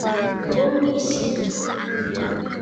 Bo ŋì’ìsǝ̀ yi.